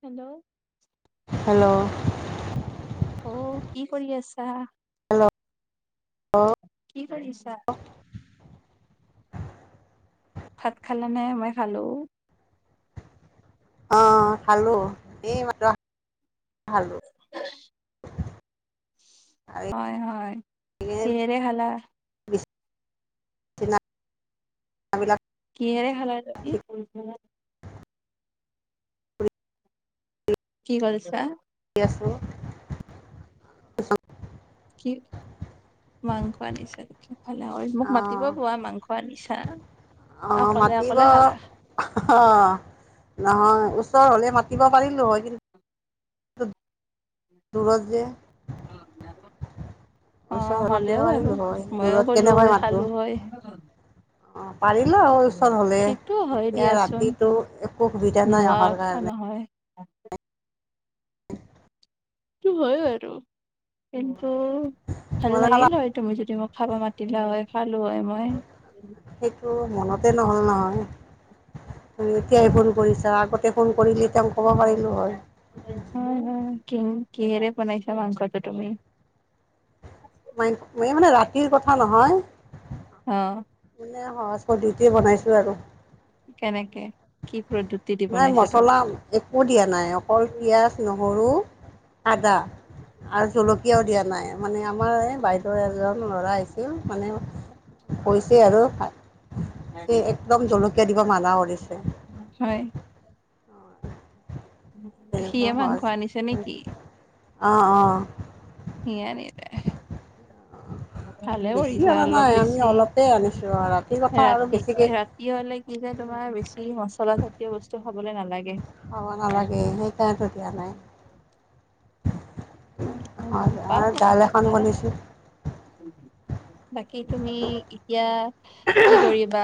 Hello. Hello, অ', কি কৰি আছা? অ কি কৰিছা? ভাত খালা নে? মই খালোঁ। অ খালো, এই মাত্ৰ খালো। [inaudible] আৰু হয়, হয়, এই কিহেৰে খালা? বিচনাবিলাক কিহেৰে খালা ৰাতি ঠিক [unintelligible] কি কলছা? শুই আছোঁ', আছোঁ। কি? মাংস আনিছা যেতিয়া ভালে কৰি মোক অঁ মাতিব কোৱা মাংস আনিছা। অকলে অকলে খালা? অ, নহয় ওচৰ হ'লে মাতিব পাৰিলোঁ হয় কিন্তু দূৰত যে [unintelligible] ওচৰত মাতিব অহলেও পাৰিলোঁ আৰু হয় মইও দূৰত গ'লো হয় খালোঁ হয়। অ পাৰিলা হয় ওচৰ হ'লে সেইটো হয় এতিয়া ৰাতিটো একো সুবিধা নাই অহাৰ কাৰণে থেমা হয়। সেইটো হয় আৰু কিন্তু ভাল মানে খালা লাগিলে হয়, তুমি যদি মোক খাব মাতিলা হয়, খালোঁ হয় মই। সেইটো মনতে নহ'ল নহয়। এতিয়াই ফোন কৰিছা, আগতে ফোন কৰিলে তেওঁ ক'ব পাৰিলোঁ হয়। হয়, হয়, কিং কিহেৰে বনাইছা মাংস এতিয়া তুমি? মইং, মানে ৰাতিৰ কথা নহয়। অ। মানে, সহজ পদ্ধতিৰে বনাইছোঁ আৰু। কেনেকে কি পদ্ধত- নাই মছলা, একো দিয়া নাই অকল পিঁয়াজ, নহৰু, আদা আৰু জলকীয়াও দিয়া নাই, মানে আমাৰ এই বাইদ- ত এজন ল'ৰা আহিছিল মানে কৈছে আৰু ভা- নাই কৰিম মই একদম জলকীয়া দিব মানা কৰিছে। উ, হয়। তেনেকুৱা সিয়ে মাংস আনিছে নেকি? অ অ। হিয়া নে তাৰ। ভালে বেছি কৰিছা অনা অলপ নাই আমি বেছি অলপেই আনিছোঁ আৰু ৰাতিৰ কথা আৰু ৰাতি বেছিকৈ ৰাত - কি হলে কি যে তোমাৰ বেছি মচলা জাতীয় বস্তু খাবলে নালাগে। খাব নালাগে, সেই কাৰণেটো দিয়া নাই। উম, হয় গম পাওঁ আৰু মই দাইল এখন একা নহয়। বনাইছোঁ বাকী তুমি এতিয়া কি কৰিবা?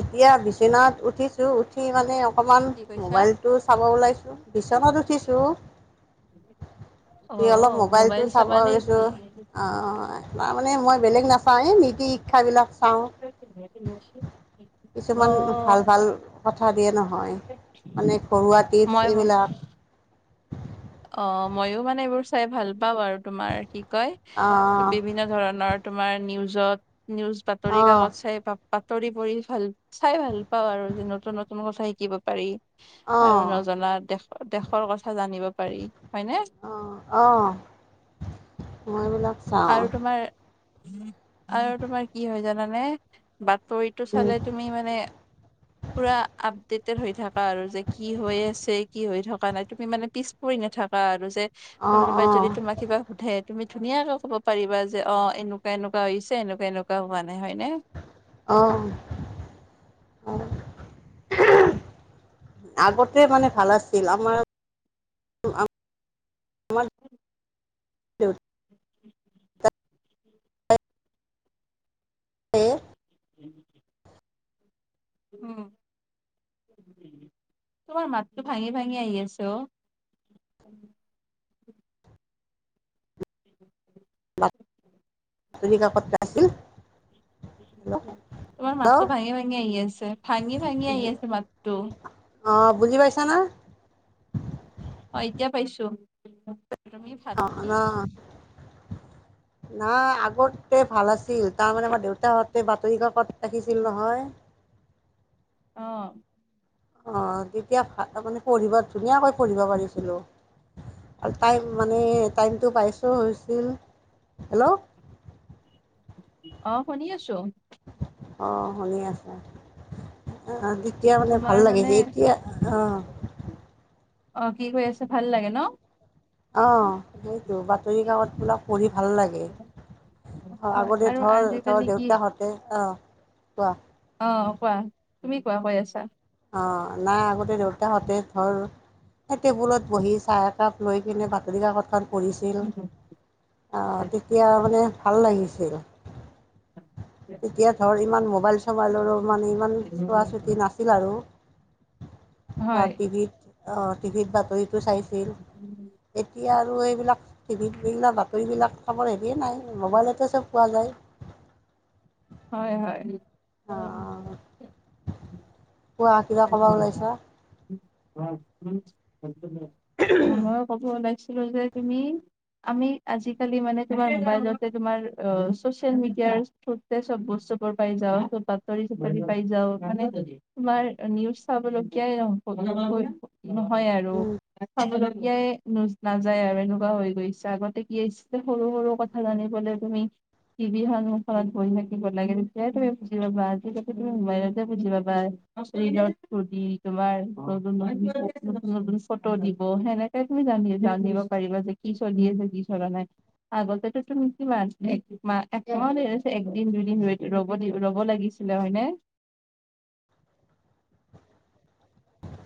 এতিয়া বিচনাত উঠিছোঁ, উঠি মানে অকমান কি কৈছা মোবাইল', তো চাব ওলাইছোঁ, বিচনাত উঠিছোঁ', উম', [inaudible] এই অলপ মোবাইলটো চাব লৈছোঁ', অঁ', তাৰমানে মই বেলেগ নাচাওঁৱেই এই নীতি শিক্ষাবিলাক চাওঁ', এইটো ভাত বনাই আছোঁ ', কিছুমান ভাল ভাল কথা দিয়ে নহয়, মানে ঘৰুৱা মই টিপছ এইবিলাক', অ', মইও মানে এইবোৰ চাই ভাল পাওঁ আৰু তোমাৰ কি কয় অঁ বিভিন্ন ধৰণৰ', তোমাৰ নিউজত নিউজ বাতৰি অঁ কাকত চাই বা- বাতৰি পঢ়ি ভাল চাই ভাল পাওঁ আৰু যে নতুন নতুন কথা শিকিব পাৰি। আৰু অঁ নজনা দেশ দেশৰ কথা জানিব পাৰি। হয়নে? অ অ মই এইবিলাক- চাওঁ আৰু তোমাৰ আৰু তোমাৰ কি হয় জানানে, বাতৰিটো চালে তুমি মানে, পুৰা আপডেটেড হৈ থাকা আৰু যে কি হৈ আছে কি হৈ থকা নাই তুমি মানে পিছ পৰি নাথাকা আৰু যে অঁ কোনোবাই অঁ যদি তোমাক কিবা সুধে তুমি ধুনীয়াকে- ক'ব পাৰিবা, যে অ এনেকুৱা এনেকুৱা হৈছে এনেকুৱা এনেকুৱা হোৱা নাই হয় নে ‍? অ অ। আগতে মানে ভাল আছিল। আমাৰ- আমাৰ অ। [inaudible] দেউতাই উম। [inaudible] উম, তোমাৰ মাতটো ভাঙি ভাঙি আহি আছে অ। উ [inaudible] বাতৰি কাকত যে আছিল, তোমাৰ হেল্ল' মাতটো ভাঙি ভাঙি আহি আছে, ভাঙি ভাঙি আহি আছে মাতটো। অঁ বুজি পাইছা না? অ এতিয়া পাইছো। তুমি ভাত কি তহঁত। [inaudible] নাই আগতে ভাল আছিল, তাৰমানে আমাৰ দেউতাহঁতে বাতৰি কাকত ৰাখিছিল নহয়। অ। অ, তেতিয়া মানে পঢ়িব ধুনীয়াকৈ পঢ়িব পাৰিছিলো। টাইম মানে টাইমটো পাইছো হৈছিল। হেল্ল', অ শুনি আছো। অ শুনি আছে। আহ তেতিয়া মানে ভাল তোমাৰ মানে লাগিছে এতিয়া অ, অ কি কৈ আছে ভাল লাগে ন। অ, সেইটো বাতৰি কাকত বিলাক পঢ়ি ভাল লাগে। হয় আগতে আৰু ধৰ ধৰ আজিকালি কি দেউতাহঁতে অ কোৱা, অ কোৱা তুমি কোৱা কৈ আছা, অ, নাই আগতে দেউতাহঁতে ধৰ - সেই টেবুলত বহি চাহ একাপ লৈ কিনে বাতৰি কাকতখন - পঢ়িছিল, তেতিয়া মানে ভাল লাগিছিল। তেতিয়া ধৰ ইমান মোবাইল চবাইলৰো মানে ইমান চোৱা চুতি নাছিল আৰু। বা হয় টিভিত অঁ টিভিত বাতৰিটো চাইছিল। এতিয়া আৰু এইবিলাক টিভিত এইগিলাক বাতৰিবিলাক খবৰ হেৰিয়ে নাই মোবাইলতে চব পোৱা যায়। হয় হয়। অ কোৱা কিবা কবা ওলাইছা? মই ক'ব ওলাইছিলো যে - তুমি, আমি আজিকালি মানে তোমাৰ মোবাইলতে তোমাৰ চচেল মিডিয়া এতিয়া চব বস্তু বোৰ পাই যাওঁ, চব বাতৰি চাতৰি পাই যাও, মানে তোমাৰ- নিউজ চাবলগীয়া হয় নহয় আৰু। উম চাবলগীয়াই ন নাযায় আৰু এনেকুৱা হৈ গৈছে, আগতে কি আছিল সৰু সৰু কথা জানিবলৈও তুমি টিভিৰ সন্মূখত বহি থাকিব লাগে, তেতিয়াই তো বুজি পাবা আজি-কালিতো মোবাইল বুজিবা পাই। [unintelligible] নতুন নতুন ফটো দিব সেনেক সেইখিনি জানি জানিব পাৰিবা যে কি চলি আছে, কি চলা নাই। আগতেতো তুমি কিমান একমাহ একমাহো নহয় একদিন দুইদিন হৈ ৰব দি ৰ'ব লাগিছিল। ছিলে হয়নে?